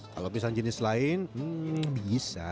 kalau pisang jenis lain hmm bisa